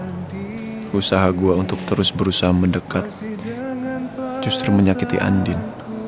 jadi usaha gue untuk terus berusaha mendekat justru menyakiti andin